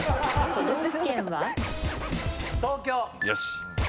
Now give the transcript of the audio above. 都道府県は？